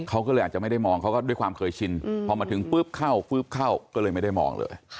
เขาก็เลยอาจจะไม่ได้มองเขาก็ด้วยความเคยชินพอมาถึงปุ๊บเข้าฟึ๊บเข้าก็เลยไม่ได้มองเลย